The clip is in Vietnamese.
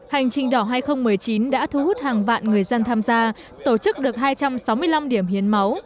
hành trình đỏ hai nghìn một mươi chín đã thu hút hàng vạn người dân tham gia tổ chức được hai trăm sáu mươi năm điểm hiến máu